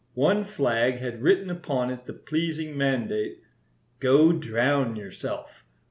One flag had written upon it the pleasing mandate 'Go drown yourself.'